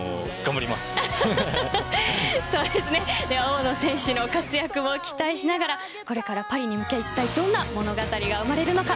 大野選手の活躍も期待しながらこれからパリに向け、いったいどんな物語が生まれるのか。